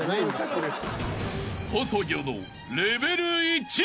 ［細魚のレベル１］